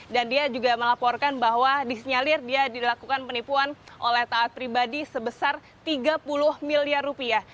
dan dia juga melaporkan bahwa disinyalir dia dilakukan penipuan oleh taat pribadi sebesar tiga puluh miliar rupiah